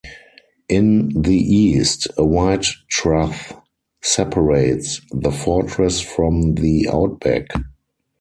In the East a wide trough separates the fortress from the outback.